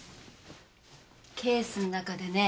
ケースの中でね